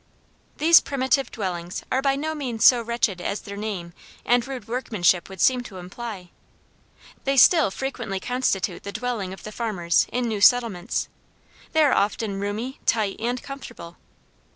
These primitive dwellings are by no means so wretched as their name and rude workmanship would seem to imply. They still frequently constitute the dwelling of the farmers in new settlements; they are often roomy, tight, and comfortable.